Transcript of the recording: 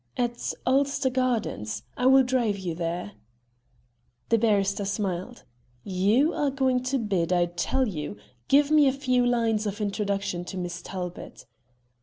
"At Ulster Gardens. I will drive you there." The barrister smiled. "You are going to bed, I tell you. Give me a few lines of introduction to Miss Talbot."